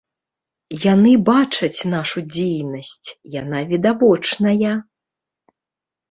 Яны бачаць нашу дзейнасць, яна відавочная.